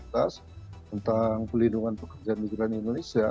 tentang pelindungan pekerja migran indonesia